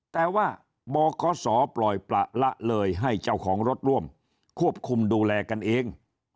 แต่ว่าบขศปล่อยประละเลยให้เจ้าของรถร่วมควบคุมดูแลกันเอง